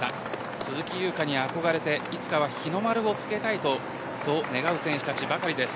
鈴木に憧れていつかは日の丸をつけたいと願う選手たちばかりです。